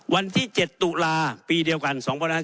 วันที่๗ตุลาปีเดียวกัน๒๕๖๒